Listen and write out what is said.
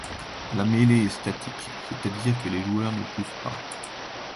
La mêlée est statique, c'est-à-dire que les joueurs ne poussent pas.